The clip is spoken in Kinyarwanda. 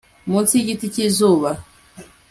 munsi yigiti cyizuba